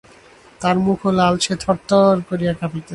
তার মুখও লাল, সে থরথর করিয়া কাঁপিতেছে।